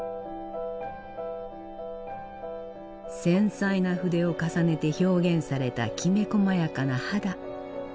繊細な筆を重ねて表現されたきめこまやかな肌。